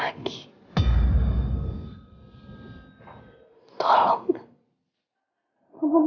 aku takut sama ma